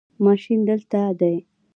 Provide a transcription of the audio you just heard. ماشین دلته دی